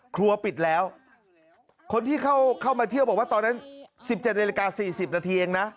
ครัวปิดแล้วคนที่เข้ามาเที่ยวบอกว่าตอนนั้น๑๗นาฬิกา๔๐นาทีเองนะ